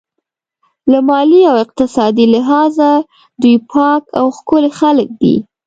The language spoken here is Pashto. له مالي او اقتصادي لحاظه دوی پاک او ښکلي خلک دي.